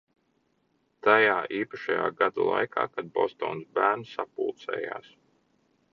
Tajā īpašajā gada laikā, kad Bostonas bērni sapulcējas.